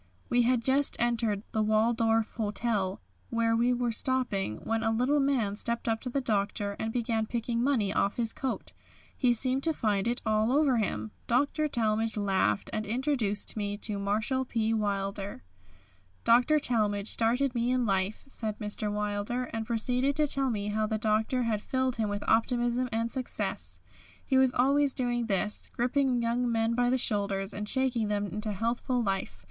We had just entered the Waldorf Hotel, where we were stopping, when a little man stepped up to the Doctor and began picking money off his coat. He seemed to find it all over him. Dr. Talmage laughed, and introduced me to Marshall P. Wilder. "Dr. Talmage started me in life," said Mr. Wilder, and proceeded to tell me how the Doctor had filled him with optimism and success. He was always doing this, gripping young men by the shoulders and shaking them into healthful life.